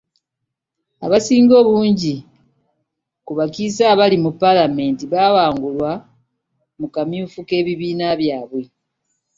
Abasinga obungi ku bakiise abali mu paalamenti baawangulwa mu kamyufu k'ebibiina byabwe.